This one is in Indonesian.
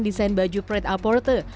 desain baju prada porte